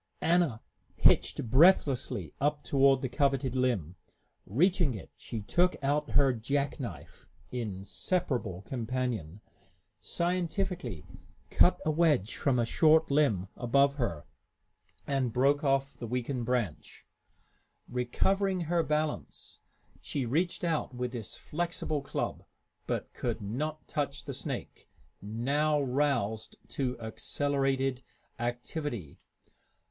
Anna hitched breathlessly up toward the coveted limb. Reaching it, she took out her jack knife, inseparable companion, scientifically cut a wedge from a short limb above her, and broke off the weakened branch. Recovering her balance, she reached out with this flexible club, but could not touch the snake, now roused to accelerated activity.